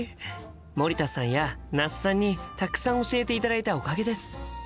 森田さんや那須さんにたくさん教えていただいたおかげです。